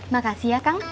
makasih ya kang